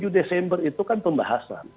tujuh desember itu kan pembahasan